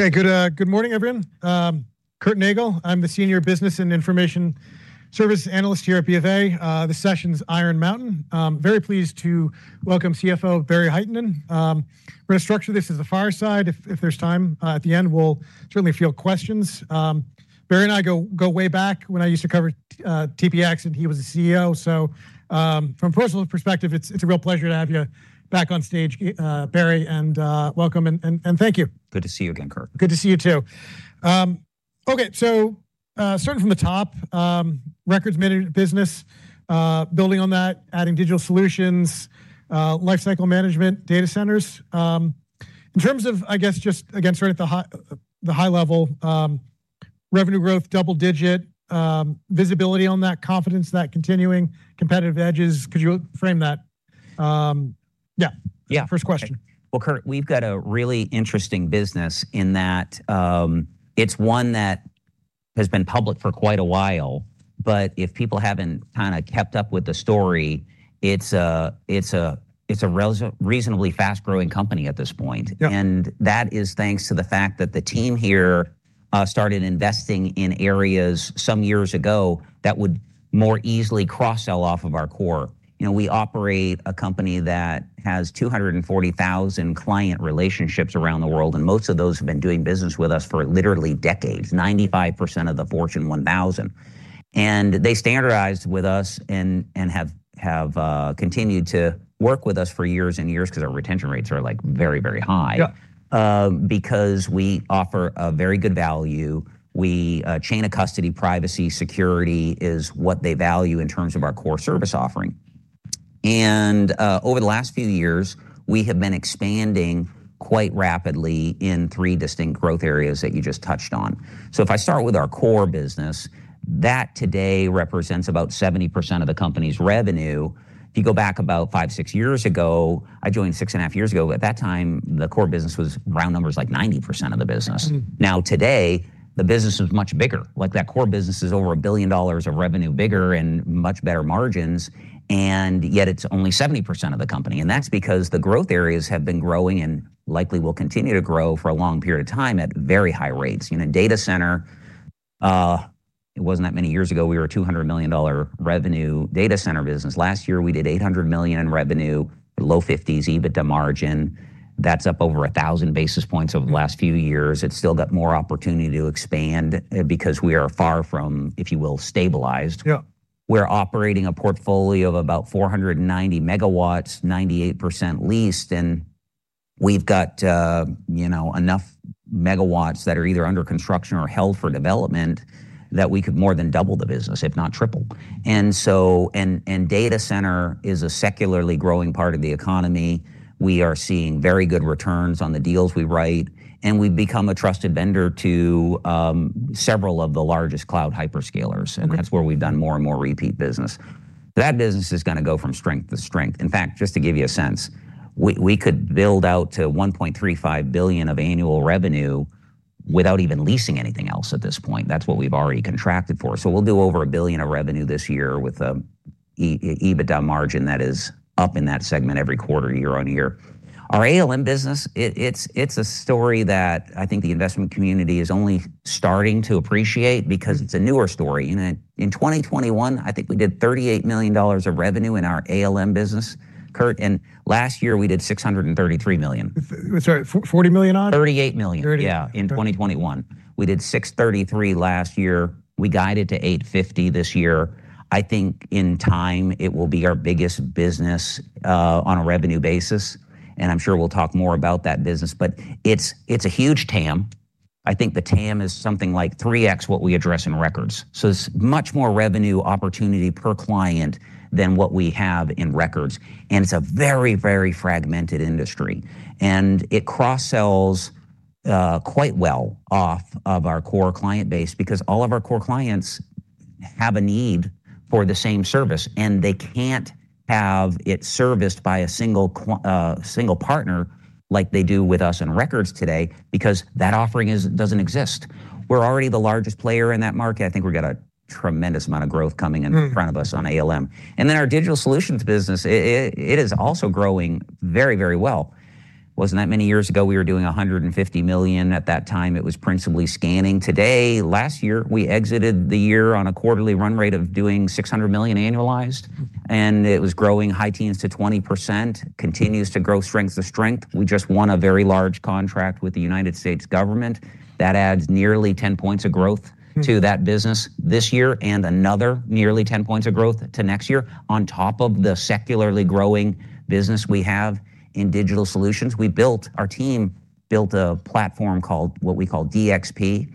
Okay. Good morning everyone. Curt Nagle. I'm the Senior Business and Information Services Analyst here at BofA. This session's Iron Mountain. Very pleased to welcome CFO Barry Hytinen. We're gonna structure this as fireside. If there's time at the end, we'll certainly field questions. Barry and I go way back to when I used to cover TPX, and he was the CEO. From a personal perspective, it's a real pleasure to have you back on stage, Barry, and welcome and thank you. Good to see you again, Curt. Good to see you, too. Okay, starting from the top, Records Management business, building on that, adding Digital Solutions, Lifecycle Management, data centers. In terms of, I guess, just again, starting at the high-level, revenue growth, double-digit, visibility on that, confidence in that continuing, competitive edges, could you frame that? Yeah. First question. Well, Curt, we've got a really interesting business in that, it's one that has been public for quite a while, but if people haven't kind of kept up with the story, it's a relatively, reasonably fast-growing company at this point. That is thanks to the fact that the team here started investing in areas some years ago that would more easily cross-sell off of our core. You know, we operate a company that has 240,000 client relationships around the world, and most of those have been doing business with us for literally decades. 95% of the Fortune 1000. They standardized with us and have continued to work with us for years and years because our retention rates are like very, very high. Because we offer a very good value. We chain of custody, privacy, security is what they value in terms of our core service offering. Over the last few years, we have been expanding quite rapidly in three distinct growth areas that you just touched on. If I start with our core business, that today represents about 70% of the company's revenue. If you go back about five, six years ago, I joined six and a half years ago, at that time, the core business was round numbers like 90% of the business. Now today, the business is much bigger. Like that core business is over $1 billion of revenue bigger and much better margins, and yet it's only 70% of the company, and that's because the growth areas have been growing and likely will continue to grow for a long period of time at very high rates. You know, data center, it wasn't that many years ago, we were a $200 million revenue data center business. Last year we did $800 million in revenue, low-50s% EBITDA margin. That's up over 1,000 basis points over the last few years. It's still got more opportunity to expand because we are far from, if you will, stabilized. We're operating a portfolio of about 490 MW, 98% leased, and we've got enough megawatts that are either under construction or held for development that we could more than double the business, if triple. Data center is a secularly growing part of the economy. We are seeing very good returns on the deals we write, and we've become a trusted vendor to several of the largest cloud hyperscalers, and that's where we've done more and more repeat business. That business is gonna go from strength to strength. In fact, just to give you a sense, we could build out to $1.35 billion of annual revenue without even leasing anything else at this point. That's what we've already contracted for. We'll do over $1 billion of revenue this year with EBITDA margin that is up in that segment every quarter year-over-year. Our ALM business, it's a story that I think the investment community is only starting to appreciate because it's a newer story. You know, in 2021, I think we did $38 million of revenue in our ALM business, Curt, and last year we did $633 million. Sorry, $40 million on? $38 million. $38 million. Yeah, in 2021. We did $633 last year. We guided to $850 this year. I think in time it will be our biggest business on a revenue basis, and I'm sure we'll talk more about that business, but it's a huge TAM. I think the TAM is something like 3x what we address in records. It's much more revenue opportunity per client than what we have in records, and it's a very fragmented industry. It cross-sells quite well off of our core client base because all of our core clients have a need for the same service, and they can't have it serviced by a single partner like they do with us in records today because that offering doesn't exist. We're already the largest player in that market. I think we've got a tremendous amount of growth coming in front of us on ALM. Our digital solutions business, it is also growing very, very well. Wasn't that many years ago, we were doing $150 million. At that time, it was principally scanning. Today, last year, we exited the year on a quarterly run rate of doing $600 million annualized, and it was growing high teens to 20%, continues to grow strength to strength. We just won a very large contract with the United States government. That adds nearly 10 points of growth to that business this year and another nearly 10 points of growth to next year on top of the secularly growing business we have in digital solutions. Our team built a platform called what we call DXP.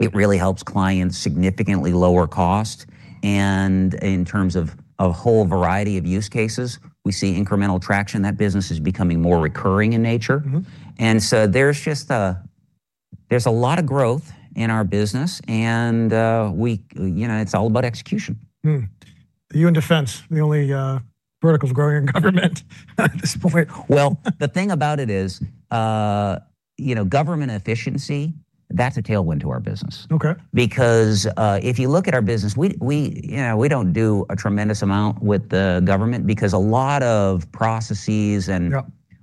It really helps clients significantly lower cost and in terms of a whole variety of use cases. We see incremental traction. That business is becoming more recurring in nature. There's a lot of growth in our business and we, you know, it's all about execution. You and defense are the only verticals growing in government at this point. Well, the thing about it is, you know, government efficiency. That's a tailwind to our business. Because if you look at our business, we, you know, we don't do a tremendous amount with the government because a lot of processes and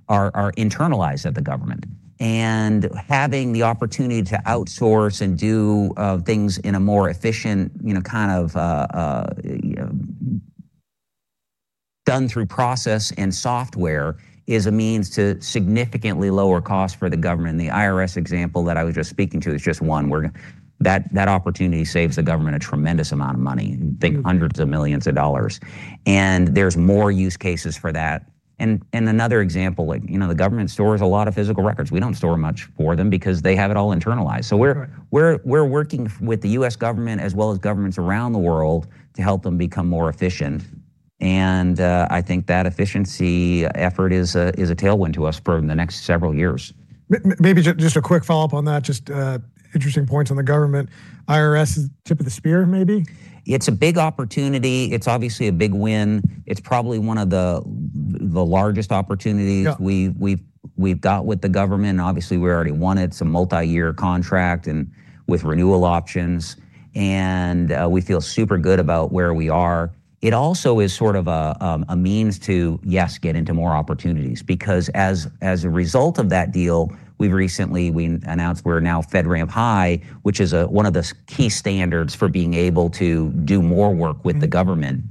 are internalized at the government. Having the opportunity to outsource and do things in a more efficient, you know, kind of, you know, done through process and software is a means to significantly lower costs for the government. The IRS example that I was just speaking to is just one where that opportunity saves the government a tremendous amount of money. Think hundreds of millions of dollars. There's more use cases for that. Another example, like, you know, the government stores a lot of physical records. We don't store much for them because they have it all internalized. We're working with the U.S. government as well as governments around the world to help them become more efficient. I think that efficiency effort is a tailwind to us for the next several years. Maybe just a quick follow-up on that, just interesting points on the government. IRS is tip of the spear, maybe? It's a big opportunity. It's obviously a big win. It's probably one of the largest opportunities. We've got with the government, and obviously we already won it. It's a multi-year contract and with renewal options, and we feel super good about where we are. It also is sort of a means to get into more opportunities because as a result of that deal, we've recently announced we're now FedRAMP High, which is one of the key standards for being able to do more work with the government.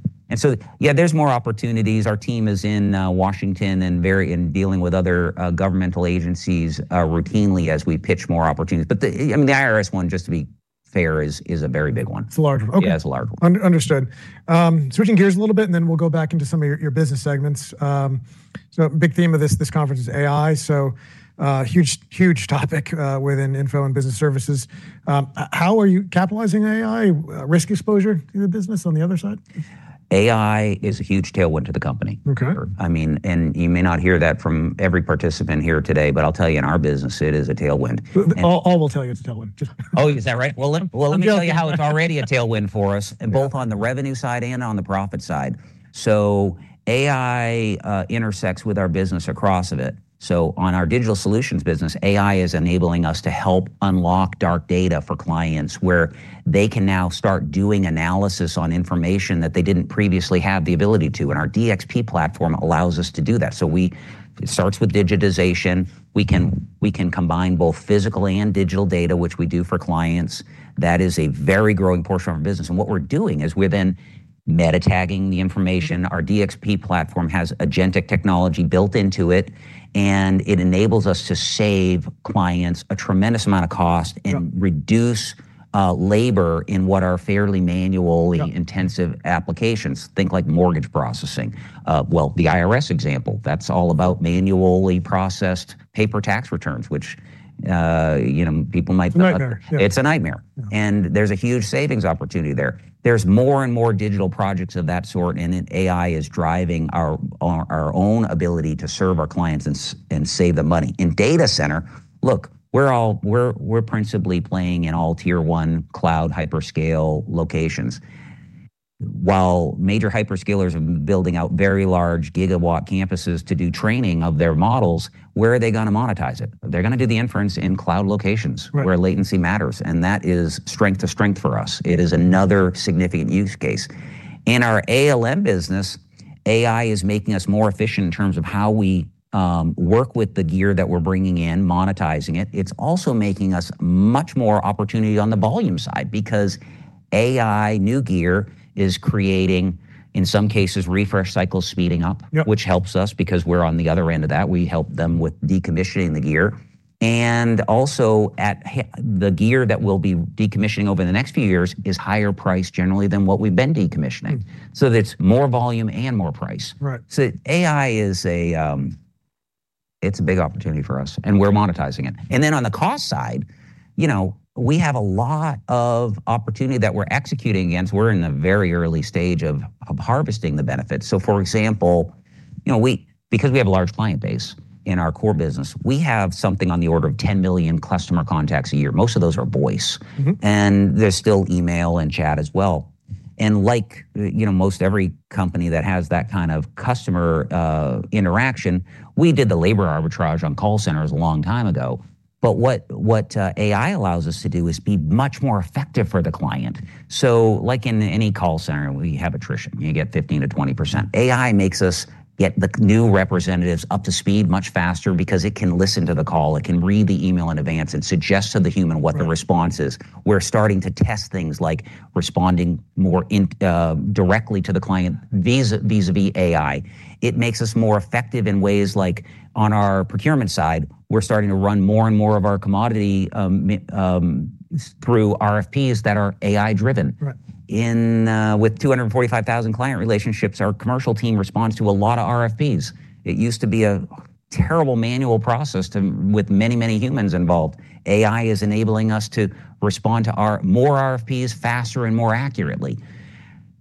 Yeah, there's more opportunities. Our team is in Washington and in dealing with other governmental agencies routinely as we pitch more opportunities. I mean, the IRS one, just to be fair, is a very big one. It's a large one. Okay. Yeah, it's a large one. Understood. Switching gears a little bit and then we'll go back into some of your business segments. Big theme of this conference is AI, huge topic within info and business services. How are you capitalizing on AI risk exposure to the business on the other side? AI is a huge tailwind to the company. I mean, you may not hear that from every participant here today, but I'll tell you, in our business, it is a tailwind. All will tell you it's a tailwind. Is that right? Well, let me tell you how it's already a tailwind for us, both on the revenue side and on the profit side. AI intersects with our business across all of it. On our digital solutions business, AI is enabling us to help unlock dark data for clients, where they can now start doing analysis on information that they didn't previously have the ability to, and our DXP platform allows us to do that. It starts with digitization. We can combine both physical and digital data, which we do for clients. That is a very growing portion of our business. What we're doing is we're then meta tagging the information. Our DXP platform has agentic technology built into it, and it enables us to save clients a tremendous amount of cost reduce labor in what are fairly manual intensive applications. Think like mortgage processing. The IRS example, that's all about manually processed paper tax returns, which, you know, people might. It's a nightmare. Yeah. It's a nightmare. There's a huge savings opportunity there. There's more and more digital projects of that sort, and then AI is driving our own ability to serve our clients and save them money. In data center, look, we're principally playing in all Tier 1 cloud hyperscale locations. While major hyperscalers are building out very large gigawatt campuses to do training of their models, where are they gonna monetize it? They're gonna do the inference in cloud locations where latency matters, and that is strength to strength for us. It is another significant use case. In our ALM business, AI is making us more efficient in terms of how we work with the gear that we're bringing in, monetizing it. It's also making us much more opportunity on the volume side because AI new gear is creating, in some cases, refresh cycles speeding up. Which helps us because we're on the other end of that. We help them with decommissioning the gear. The gear that we'll be decommissioning over the next few years is higher priced generally than what we've been decommissioning. It's more volume and more price. AI is a big opportunity for us, and we're monetizing it. On the cost side, you know, we have a lot of opportunity that we're executing against. We're in a very early stage of harvesting the benefits. For example, you know, because we have a large client base in our core business, we have something on the order of 10 million customer contacts a year. Most of those are voice. There's still email and chat as well. Like, you know, most every company that has that kind of customer interaction, we did the labor arbitrage on call centers a long time ago. What AI allows us to do is be much more effective for the client. Like in any call center, we have attrition. You get 15%-20%. AI makes us get the new representatives up to speed much faster because it can listen to the call, it can read the email in advance, and suggest to the human what the response is. We're starting to test things like responding more directly to the client vis-à-vis AI. It makes us more effective in ways like on our procurement side, we're starting to run more and more of our commodity through RFPs that are AI driven. With 245,000 client relationships, our commercial team responds to a lot of RFPs. It used to be a terrible manual process with many humans involved. AI is enabling us to respond to more RFPs faster and more accurately.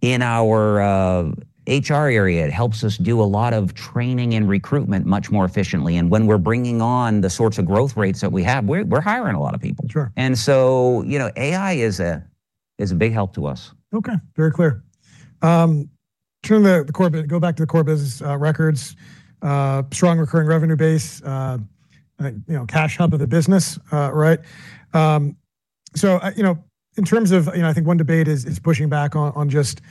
In our HR area, it helps us do a lot of training and recruitment much more efficiently, and when we're bringing on the sorts of growth rates that we have, we're hiring a lot of people. You know, AI is a big help to us. Okay. Very clear. Go back to the core business, records, strong recurring revenue base, you know, cash hub of the business, right? You know, in terms of, you know, I think one debate is pushing back on just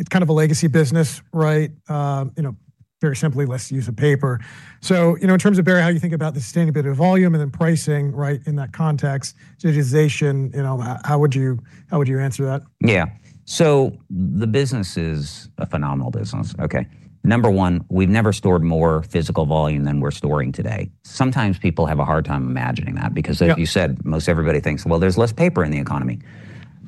it's kind of a legacy business, right? You know, very simply, less use of paper. You know, in terms of, Barry, how you think about the sustainable bit of volume and then pricing, right, in that context, digitization, you know, how would you answer that? Yeah. The business is a phenomenal business, okay. Number one, we've never stored more physical volume than we're storing today. Sometimes people have a hard time imagining that. As you said, most everybody thinks, "Well, there's less paper in the economy."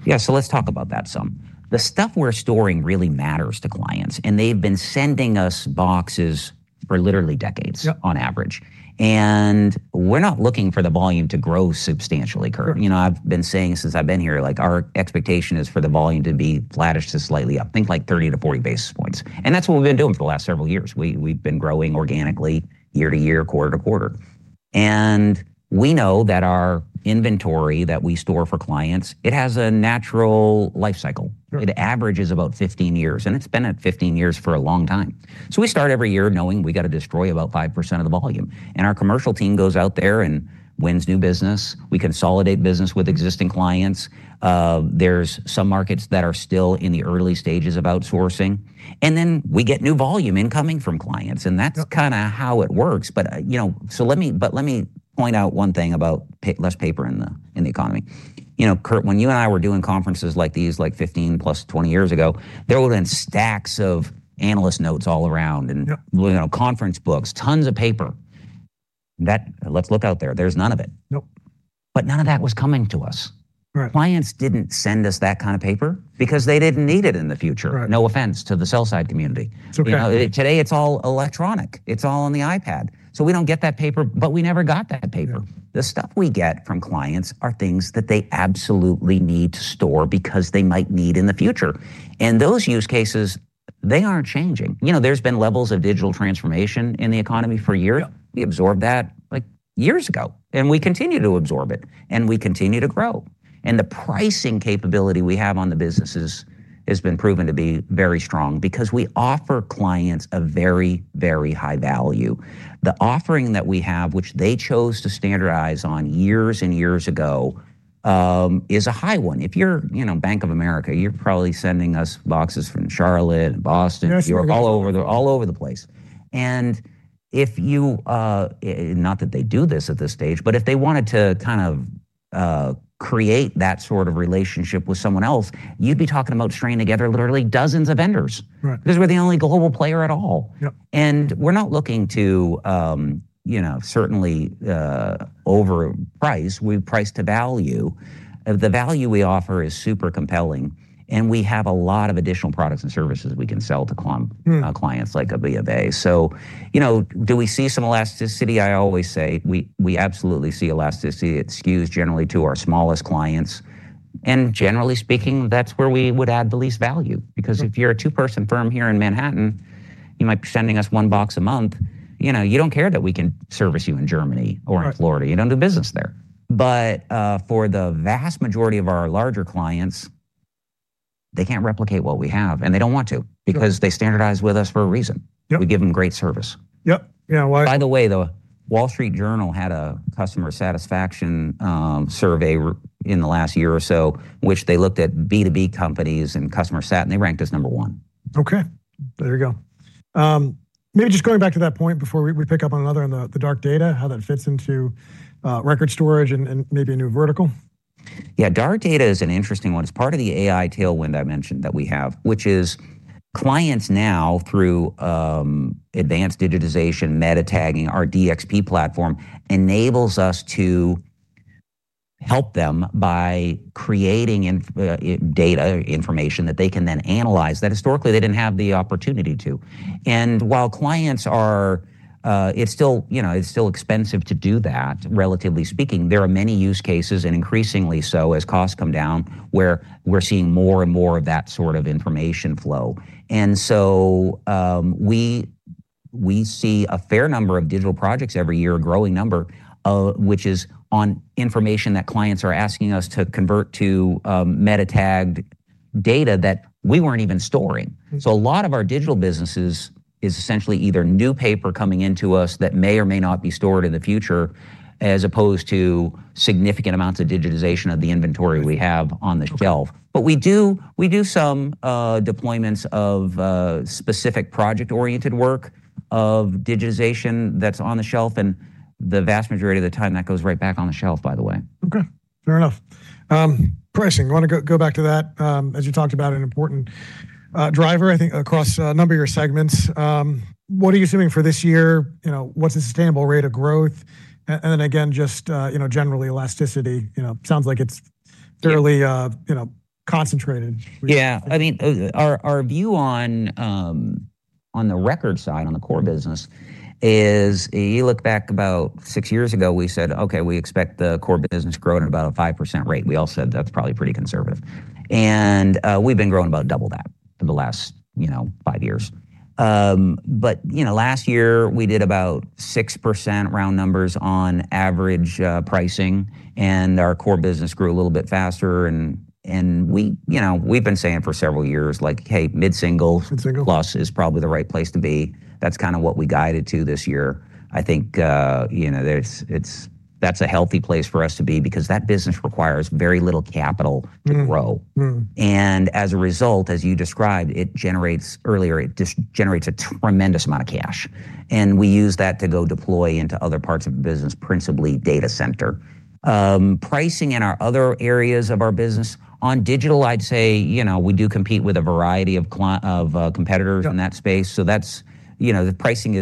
Yeah, so let's talk about that some. The stuff we're storing really matters to clients, and they've been sending us boxes for literally decades on average. We're not looking for the volume to grow substantially, Curt. You know, I've been saying since I've been here, like, our expectation is for the volume to be flattish to slightly up. Think, like, 30-40 basis points, and that's what we've been doing for the last several years. We've been growing organically year to year, quarter to quarter. We know that our inventory that we store for clients, it has a natural life cycle. The average is about 15 years, and it's been at 15 years for a long time. We start every year knowing we gotta destroy about 5% of the volume, and our commercial team goes out there and wins new business. We consolidate business with existing clients. There's some markets that are still in the early stages of outsourcing, and then we get new volume incoming from clients. That's kinda how it works. You know, let me point out one thing about less paper in the economy. You know, Curt, when you and I were doing conferences like these, like, 15+, 20 years ago, there were then stacks of analyst notes all around and you know, conference books, tons of paper. Let's look out there. There's none of it. None of that was coming to us. Clients didn't send us that kind of paper because they didn't need it in the future. No offense to the sell-side community. It's okay. You know, today it's all electronic. It's all on the iPad. We don't get that paper, but we never got that paper. The stuff we get from clients are things that they absolutely need to store because they might need in the future, and those use cases, they aren't changing. You know, there's been levels of digital transformation in the economy for years. We absorbed that, like, years ago, and we continue to absorb it, and we continue to grow. The pricing capability we have on the businesses has been proven to be very strong because we offer clients a very, very high value. The offering that we have, which they chose to standardize on years and years ago, is a high one. If you're, you know, Bank of America, you're probably sending us boxes from Charlotte and Boston. New York. You're all over the place. If you not that they do this at this stage, but if they wanted to kind of create that sort of relationship with someone else, you'd be talking about stringing together literally dozens of vendors. 'Cause we're the only global player at all. We're not looking to, you know, certainly overprice. We price to value. The value we offer is super compelling, and we have a lot of additional products and services we can sell to clients like a BofA. You know, do we see some elasticity? I always say we absolutely see elasticity. It skews generally to our smallest clients, and generally speaking, that's where we would add the least value. Because if you're a two-person firm here in Manhattan, you might be sending us one box a month. You know, you don't care that we can service you in Germany or in Florida. You don't do business there. For the vast majority of our larger clients, they can't replicate what we have, and they don't want to. Because they standardized with us for a reason. We give them great service. Yep. Yeah. Well, By the way, The Wall Street Journal had a customer satisfaction survey in the last year or so, which they looked at B2B companies and customer sat, and they ranked us number one. Okay. There you go. Maybe just going back to that point before we pick up on another on the dark data, how that fits into record storage and maybe a new vertical. Yeah. Dark data is an interesting one. It's part of the AI tailwind I mentioned that we have, which is clients now through advanced digitization, meta tagging, our DXP platform enables us to help them by creating data information that they can then analyze that historically they didn't have the opportunity to. While clients are, it's still, you know, it's still expensive to do that, relatively speaking, there are many use cases and increasingly so as costs come down, where we're seeing more and more of that sort of information flow. We see a fair number of digital projects every year, a growing number, which is on information that clients are asking us to convert to meta tagged data that we weren't even storing. A lot of our digital businesses is essentially either new paper coming into us that may or may not be stored in the future as opposed to significant amounts of digitization of the inventory we have on the shelf. We do some deployments of specific project-oriented work of digitization that's on the shelf, and the vast majority of the time, that goes right back on the shelf, by the way. Okay. Fair enough. Pricing, I wanna go back to that, as you talked about an important driver, I think across a number of your segments. What are you assuming for this year? You know, what's the sustainable rate of growth? Then again, just you know, generally elasticity. You know, sounds like it's fairly concentrated. Yeah. I mean, our view on the record side, on the core business, is you look back about six years ago, we said, "Okay, we expect the core business growing at about a 5% rate." We all said that's probably pretty conservative. We've been growing about double that for the last, you know, five years. You know, last year we did about 6% round numbers on average, pricing, and our core business grew a little bit faster and we, you know, we've been saying for several years, like, "Hey, mid-single-plus is probably the right place to be." That's kinda what we guided to this year. I think, you know, that's a healthy place for us to be because that business requires very little capital to grow. As a result, as you described, it just generates a tremendous amount of cash and we use that to go deploy into other parts of the business, principally data center. Pricing in our other areas of our business, on digital I'd say, you know, we do compete with a variety of competitors in that space, so that's, you know, the pricing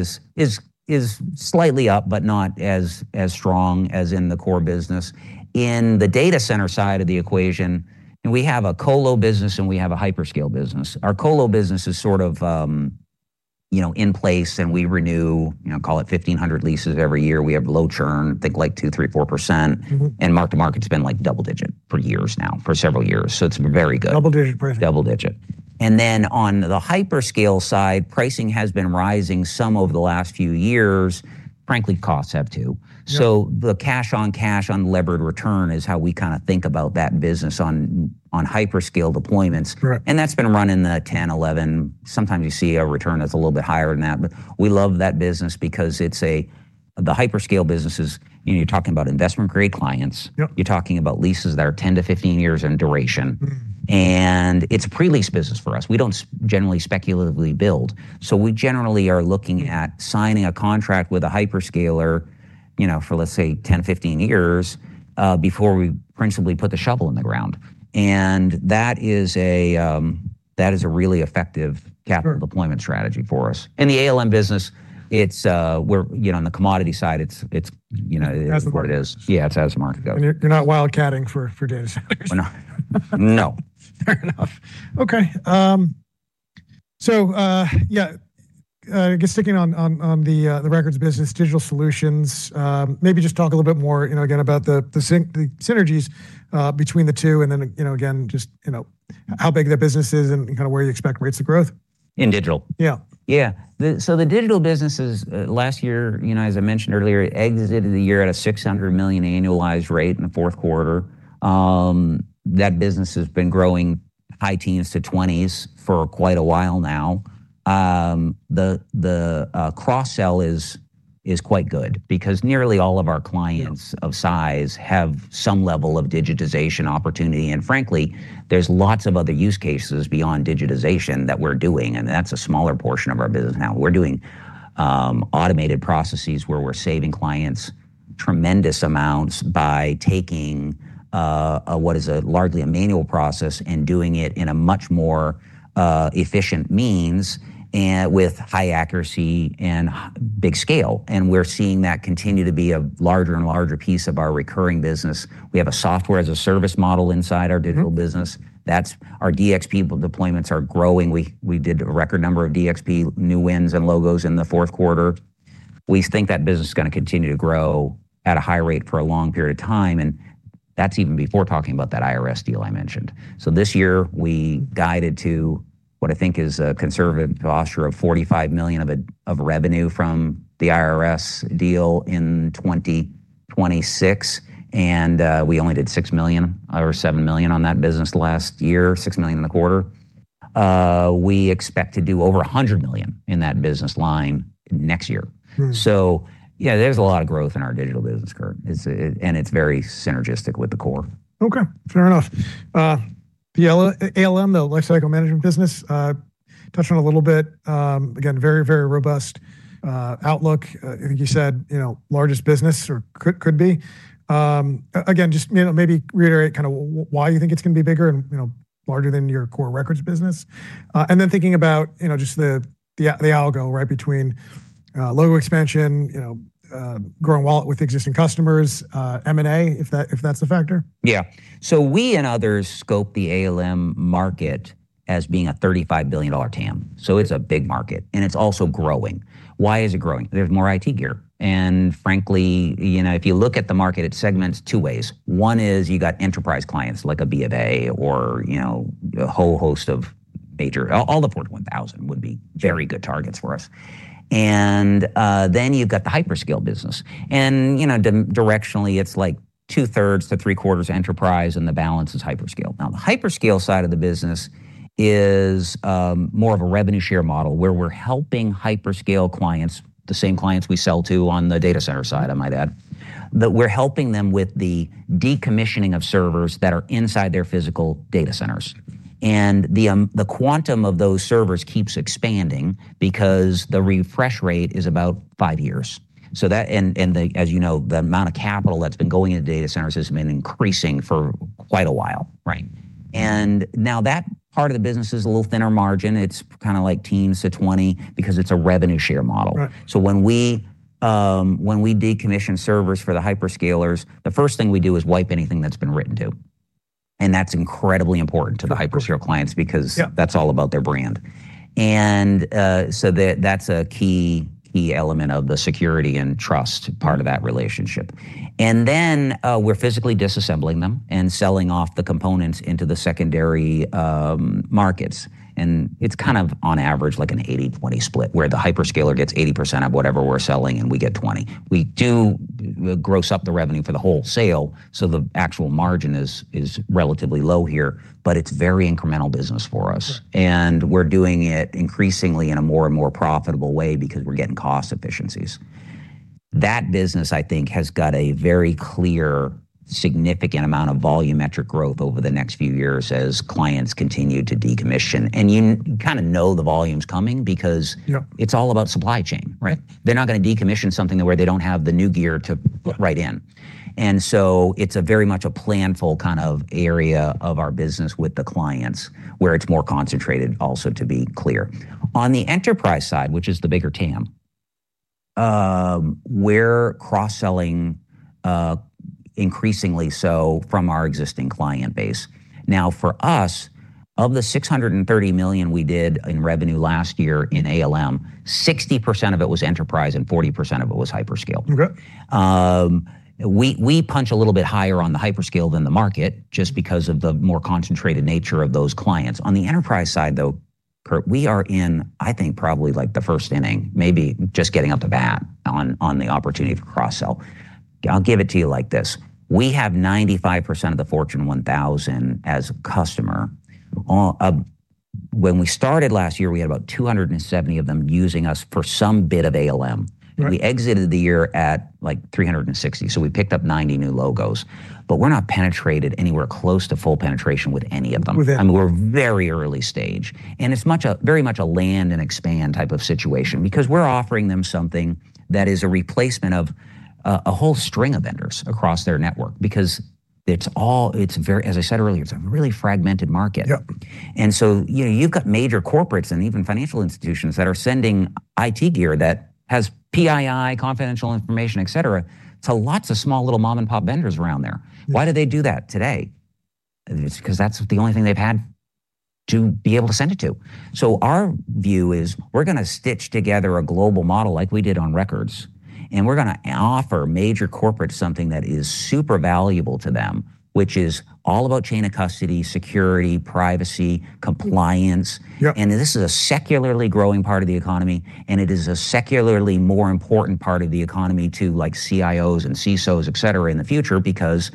is slightly up, but not as strong as in the core business. In the data center side of the equation, and we have a colo business and we have a hyperscale business. Our colo business is sort of, you know, in place and we renew, you know, call it 1,500 leases every year. We have low churn, think like 2%, 3%, 4%. Mark-to-market's been like double-digit for years now, for several years, so it's very good. Double-digit growth. Double digit. Then on the hyperscale side, pricing has been rising some over the last few years. Frankly, costs have too. The cash on cash unlevered return is how we kinda think about that business on hyperscale deployments. That's been running the 10%, 11%, sometimes you see a return that's a little bit higher than that, but we love that business because it's the hyperscale business, you know, you're talking about investment-grade clients. You're talking about leases that are 10-15 years in duration. It's a pre-lease business for us. We don't generally speculatively build. We generally are looking at signing a contract with a hyperscaler, you know, for let's say 10-15 years, before we principally put the shovel in the ground. That is a really effective capital-deployment strategy for us. In the ALM business, it's you know, on the commodity side, it's you know. As the market goes. Yeah, it's as the market goes. You're not wildcatting for data centers. No. No. Fair enough. Okay. Yeah, I guess sticking on the records business, digital solutions, maybe just talk a little bit more, you know, again, about the synergies between the two and then, you know, again, just, you know, how big that business is and kinda where you expect rates of growth. In digital? Yeah. Yeah. The digital business is last year, you know, as I mentioned earlier, it exited the year at a $600 million annualized rate in the fourth quarter. That business has been growing high-teens to 20s% for quite a while now. The cross-sell is quite good because nearly all of our clients of size have some level of digitization opportunity, and frankly, there's lots of other use cases beyond digitization that we're doing, and that's a smaller portion of our business now. We're doing automated processes where we're saving clients tremendous amounts by taking what is largely a manual process and doing it in a much more efficient means and with high accuracy and big scale, and we're seeing that continue to be a larger and larger piece of our recurring business. We have a software as a service model inside our digital business. That's our DXP deployments are growing. We did a record number of DXP new wins and logos in the fourth quarter. We think that business is gonna continue to grow at a high rate for a long period of time, and that's even before talking about that IRS deal I mentioned. This year we guided to what I think is a conservative posture of $45 million of revenue from the IRS deal in 2026, and we only did $6 million or $7 million on that business last year, $6 million in the quarter. We expect to do over $100 million in that business line next year. Yeah, there's a lot of growth in our digital business, Curt. It's very synergistic with the core. Okay. Fair enough. The ALM, the lifecycle management business, touched on it a little bit. Again, very robust outlook. I think you said, you know, largest business or could be. Again, just, you know, maybe reiterate kind of why you think it's gonna be bigger and, you know, larger than your core records business. Thinking about, you know, just the allocation between logo expansion, you know, growing wallet with existing customers, M&A, if that's a factor. Yeah. We and others scope the ALM market as being a $35 billion TAM, so it's a big market, and it's also growing. Why is it growing? There's more IT gear. Frankly, you know, if you look at the market, it segments two ways. One is you got enterprise clients like a BofA or, you know, a whole host of major. All the Fortune 1000 would be very good targets for us. Then you've got the hyperscale business. You know, directionally it's like two-thirds to three-quarters enterprise and the balance is hyperscale. Now, the hyperscale side of the business is more of a revenue share model where we're helping hyperscale clients, the same clients we sell to on the data center side, I might add, that we're helping them with the decommissioning of servers that are inside their physical data centers. The quantum of those servers keeps expanding because the refresh rate is about five years. As you know, the amount of capital that's been going into data centers has been increasing for quite a while. Now that part of the business is a little thinner margin. It's kinda like teens to 20% because it's a revenue share model. When we decommission servers for the hyperscalers, the first thing we do is wipe anything that's been written to. That's incredibly important to the hyperscale clients because that's all about their brand. That's a key element of the security and trust part of that relationship. We're physically disassembling them and selling off the components into the secondary markets, and it's kind of on average like an 80/20 split, where the hyperscaler gets 80% of whatever we're selling and we get 20%. We gross up the revenue for the whole sale, so the actual margin is relatively low here, but it's very incremental business for us. We're doing it increasingly in a more and more profitable way because we're getting cost efficiencies. That business, I think, has got a very clear, significant amount of volumetric growth over the next few years as clients continue to decommission. You kind of know the volume's coming because it's all about supply chain, right? They're not gonna decommission something where they don't have the new gear to write in. It's a very much a planful kind of area of our business with the clients, where it's more concentrated also, to be clear. On the enterprise side, which is the bigger TAM, we're cross-selling increasingly so from our existing client base. Now, for us, of the $630 million we did in revenue last year in ALM, 60% of it was enterprise and 40% of it was hyperscale. We punch a little bit higher on the hyperscale than the market just because of the more concentrated nature of those clients. On the enterprise side, though, Curt, we are in, I think, probably like the first inning, maybe just getting up to bat on the opportunity to cross-sell. I'll give it to you like this: We have 95% of the Fortune 1000 as a customer. When we started last year, we had about 270 of them using us for some bit of ALM. We exited the year at, like, 360, so we picked up 90 new logos. We're not penetrated anywhere close to full penetration with any of them. With any of them. I mean, we're very early stage, and it's very much a land and expand type of situation because we're offering them something that is a replacement of a whole string of vendors across their network because it's all, as I said earlier, it's a really fragmented market. You know, you've got major corporates and even financial institutions that are sending IT gear that has PII, confidential information, et cetera, to lots of small little mom-and-pop vendors around there. Why do they do that today? It's 'cause that's the only thing they've had to be able to send it to. Our view is we're gonna stitch together a global model like we did on records, and we're gonna offer major corporate something that is super valuable to them, which is all about chain of custody, security, privacy, compliance. This is a secularly growing part of the economy, and it is a secularly more important part of the economy to, like, CIOs and CSOs, et cetera, in the future because,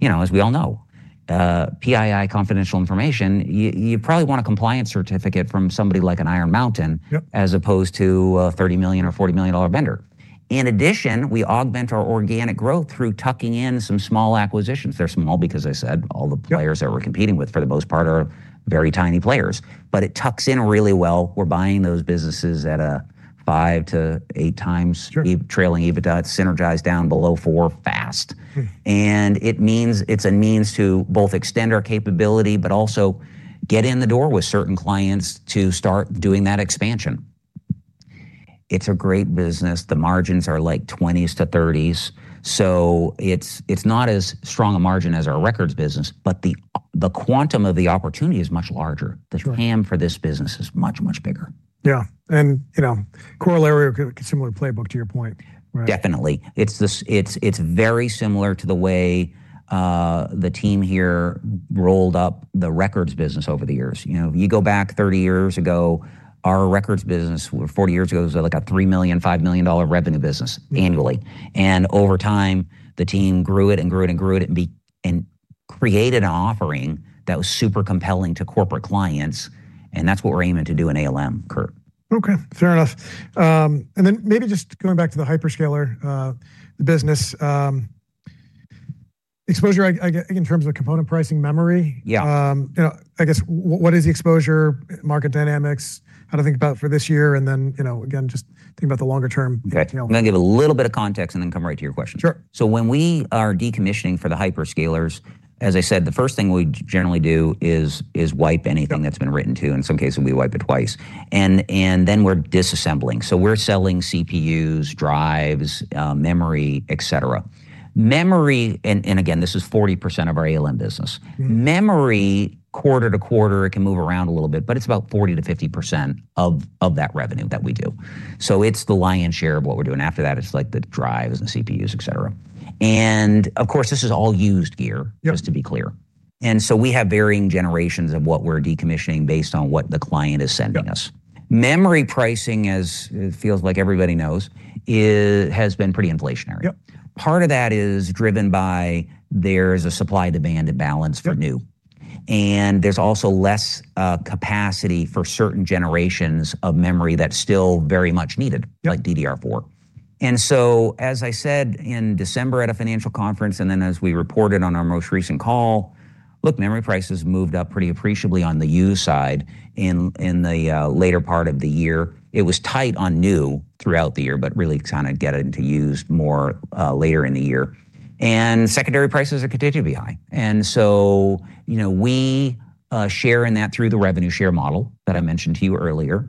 you know, as we all know, PII confidential information, you probably want a compliance certificate from somebody like an Iron Mountain as opposed to a $30 million or $40 million vendor. In addition, we augment our organic growth through tucking in some small acquisitions. They're small because I said all the players that we're competing with, for the most part, are very tiny players. It tucks in really well. We're buying those businesses at a 5x-8x trailing EBITDA, synergies down below 4%. It means it's a means to both extend our capability but also get in the door with certain clients to start doing that expansion. It's a great business. The margins are like 20s%-30s%, so it's not as strong a margin as our records business, but the quantum of the opportunity is much larger. The TAM for this business is much, much bigger. Yeah. You know, corollary or similar playbook to your point, right? Definitely. It's very similar to the way the team here rolled up the records business over the years. You know, if you go back 30 years ago, our records business, or 40 years ago, was like a $3 million-$5 million revenue business annually. Over time, the team grew it and grew it and grew it and created an offering that was super compelling to corporate clients, and that's what we're aiming to do in ALM, Curt. Okay, fair enough. Maybe just going back to the hyperscaler business exposure in terms of component pricing memory. I guess what is the exposure, market dynamics? How to think about for this year and then, you know, again, just think about the longer term. I'm gonna give a little bit of context and then come right to your question. When we are decommissioning for the hyperscalers, as I said, the first thing we generally do is wipe anything that's been written to. In some cases, we wipe it twice. Then we're disassembling. We're selling CPUs, drives, memory, et cetera. Memory and again, this is 40% of our ALM business. Memory, quarter to quarter, it can move around a little bit, but it's about 40%-50% of that revenue that we do. It's the lion's share of what we're doing. After that, it's like the drives and CPUs, et cetera. Of course, this is all used gear, just to be clear. We have varying generations of what we're decommissioning based on what the client is sending us. Memory pricing, as it feels like everybody knows, has been pretty inflationary. Part of that is driven by there's a supply and demand imbalance for new. There's also less capacity for certain generations of memory that's still very much needed like DDR4. As I said in December at a financial conference, and then as we reported on our most recent call, look, memory prices moved up pretty appreciably on the used side in the later part of the year. It was tight on new throughout the year, but really kind of got into used more later in the year. Secondary prices are continuing to be high. You know, we share in that through the revenue share model that I mentioned to you earlier.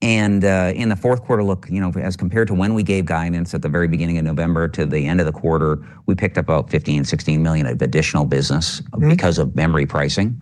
In the fourth quarter, look, you know, as compared to when we gave guidance at the very beginning of November to the end of the quarter, we picked up about $15-$16 million of additional business because of memory pricing.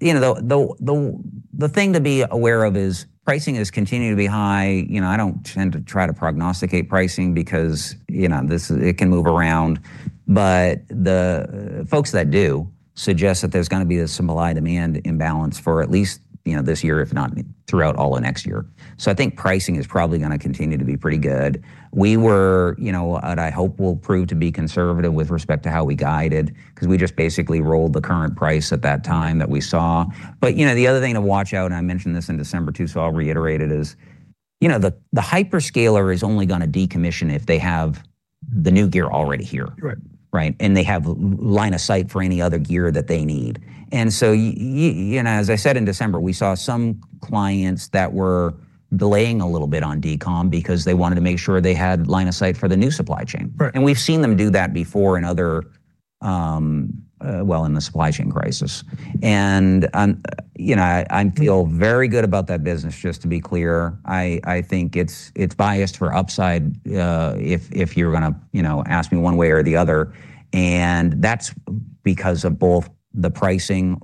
You know, the thing to be aware of is pricing has continued to be high. You know, I don't tend to try to prognosticate pricing because, you know, this is it can move around. The folks that do suggest that there's gonna be this supply-demand imbalance for at least, you know, this year, if not throughout all of next year. I think pricing is probably gonna continue to be pretty good. We were, you know, and I hope will prove to be conservative with respect to how we guided because we just basically rolled the current price at that time that we saw. You know, the other thing to watch out, and I mentioned this in December too, so I'll reiterate it, is, you know, the hyperscaler is only gonna decommission if they have the new gear already here. Right? They have line of sight for any other gear that they need. You know, as I said in December, we saw some clients that were delaying a little bit on decom because they wanted to make sure they had line of sight for the new supply chain. We've seen them do that before in the supply chain crisis. You know, I feel very good about that business, just to be clear. I think it's biased for upside, if you're gonna, you know, ask me one way or the other, and that's because of both the pricing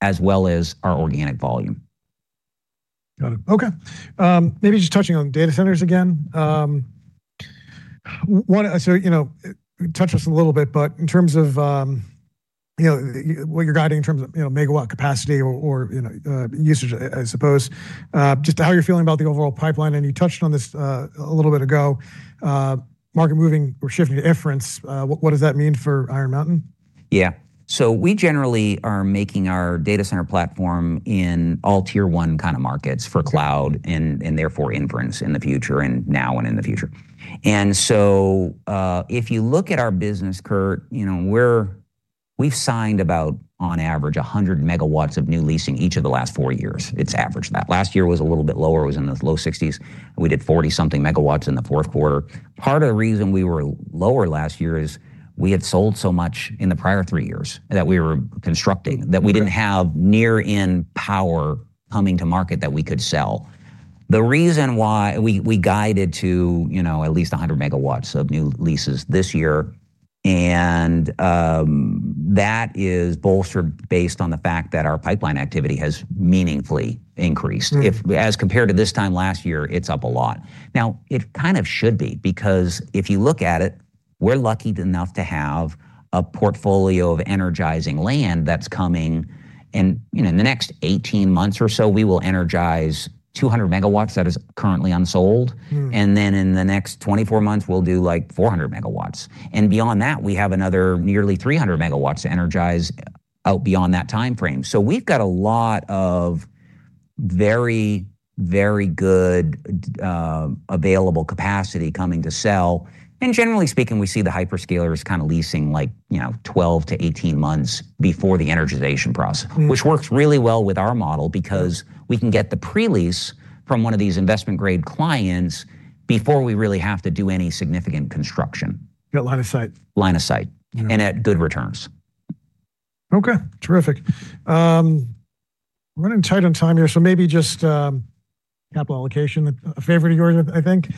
as well as our organic volume. Got it. Okay. Maybe just touching on data centers again. You know, touch on this a little bit, but in terms of you know, what you're guiding in terms of you know, megawatt capacity or you know, usage, I suppose. Just how you're feeling about the overall pipeline, and you touched on this a little bit ago. Market moving or shifting to inference, what does that mean for Iron Mountain? Yeah. We generally are making our data center platform in all tier one kind of markets for cloud, and therefore inference in the future and now and in the future. If you look at our business, Curt, you know, we've signed about on average 100 MW of new leasing each of the last four years. It's averaged that. Last year was a little bit lower. It was in the low-60s MW. We did 40-something MW in the fourth quarter. Part of the reason we were lower last year is we had sold so much in the prior three years that we were constructing that we didn't have near-term power coming to market that we could sell. The reason why we guided to, you know, at least 100 MW of new leases this year, and that is bolstered based on the fact that our pipeline activity has meaningfully increased. As compared to this time last year, it's up a lot. Now, it kind of should be because if you look at it, we're lucky enough to have a portfolio of energizing land that's coming and, you know, in the next 18 months or so, we will energize 200 MW that is currently unsold. Then in the next 24 months, we'll do like 400 MW. Beyond that, we have another nearly 300 MW to energize out beyond that timeframe. We've got a lot of very, very good available capacity coming to sell. Generally speaking, we see the hyperscalers kind of leasing like, you know, 12-18 months before the energization process. Which works really well with our model because we can get the pre-lease from one of these investment-grade clients before we really have to do any significant construction. Got line of sight. Line of sight and at good returns. Okay. Terrific. Running tight on time here, so maybe just capital allocation, a favorite of yours, I think.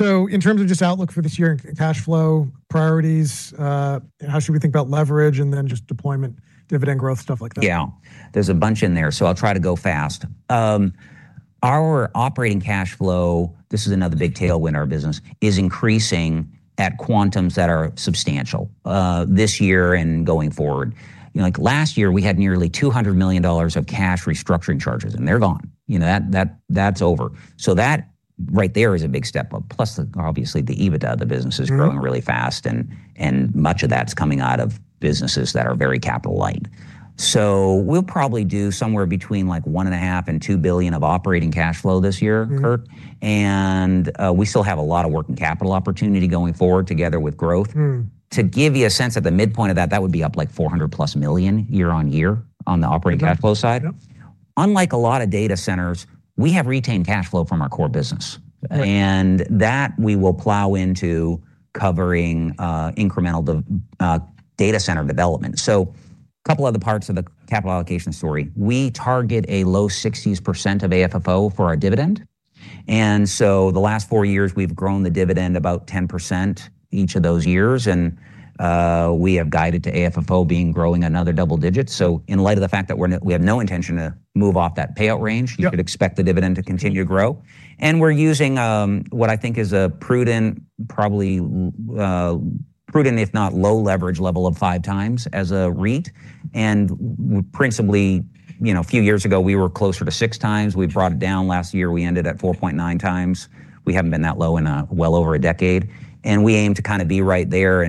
In terms of just outlook for this year and cash flow priorities, how should we think about leverage and then just deployment, dividend growth, stuff like that? Yeah. There's a bunch in there, so I'll try to go fast. Our operating cash flow, this is another big tailwind to our business, is increasing at quantums that are substantial, this year and going forward. You know, like last year, we had nearly $200 million of cash restructuring charges, and they're gone. You know, that's over. That right there is a big step up. Plus, obviously, the EBITDA of the business is growing really fast and much of that's coming out of businesses that are very capital light. We'll probably do somewhere between like $1.5 billion and $2 billion of operating cash flow this year, Curt. We still have a lot of working capital opportunity going forward together with growth. To give you a sense, at the midpoint of that would be up like $400+ million year-over-year on the operating cash flow side. Unlike a lot of data centers, we have retained cash flow from our core business. That we will plow into covering incremental data center development. Couple other parts of the capital allocation story. We target a low-60s% of AFFO for our dividend. The last four years, we've grown the dividend about 10% each of those years. We have guided to AFFO being growing another double digits. In light of the fact that we have no intention to move off that payout range. You could expect the dividend to continue to grow. We're using what I think is a prudent, probably, if not low leverage level of 5x as a REIT. Principally, you know, a few years ago, we were closer to 6x. We brought it down. Last year, we ended at 4.9x. We haven't been that low in well over a decade. We aim to kind of be right there.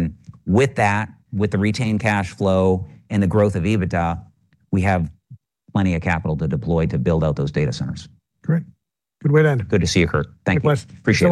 With that, with the retained cash flow and the growth of EBITDA, we have plenty of capital to deploy to build out those data centers. Great. Good way to end. Good to see you, Curt. Thank you. Take care. Appreciate it.